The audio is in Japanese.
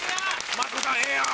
マツコさんええやん！